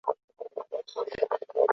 本页列举了镆的同位素。